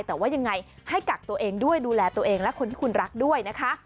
แต่ว่ายังไงให้กักตัวเองด้วยดูแลตัวเองและคนที่คุณรักด้วยนะคะ